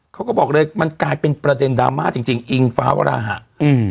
เขาบอกเลยมันกลายเป็นประเด็นดราม่าจริงจริงอิงฟ้าวราหะอืม